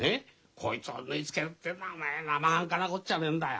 こいつを縫い付けるっていうのはお前なまはんかなことじゃねえんだよ。